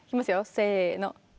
せの。